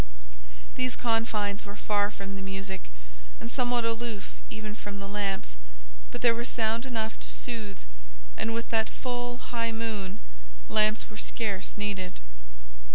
These confines were far from the music, and somewhat aloof even from the lamps, but there was sound enough to soothe, and with that full, high moon, lamps were scarce needed.